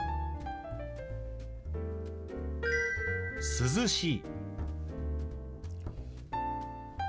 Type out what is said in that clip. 「涼しい」。